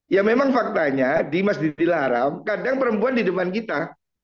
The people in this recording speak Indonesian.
ya memang faktanya di masjidil haram kadang perempuan di depan kita